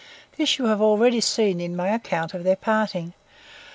This you have already seen in my account of their parting.